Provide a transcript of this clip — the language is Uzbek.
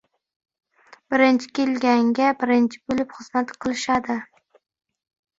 • Birinchi kelganga birinchi bo‘lib xizmat qilishadi.